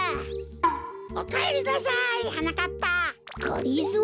おかえりなさいはなかっぱ。がりぞー！？